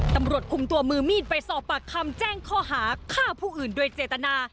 ตำรวจคุมตัวมือมีดไปสอบปากคำแจ้งข้อหาฆ่าผู้อื่นโดยเจตนา